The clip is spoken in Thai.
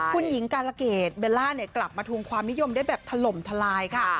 คุณหญิงกาลเกดเบลล่ากลับมาทวงความนิยมได้แบบถล่มทลายค่ะ